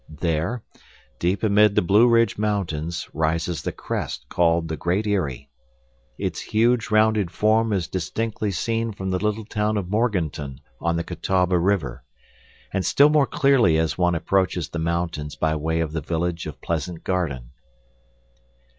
There, deep amid the Blueridge Mountains rises the crest called the Great Eyrie. Its huge rounded form is distinctly seen from the little town of Morganton on the Catawba River, and still more clearly as one approaches the mountains by way of the village of Pleasant Garden.